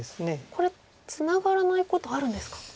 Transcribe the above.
これツナがらないことあるんですか？